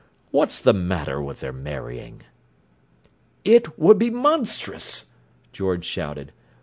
What's the matter with their marrying?" "It would be monstrous!" George shouted.